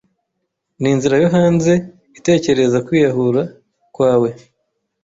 Ninzira yo hanze itekereza kwiyahura kwawe?